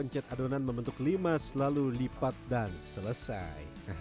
cet adonan membentuk lima selalu lipat dan selesai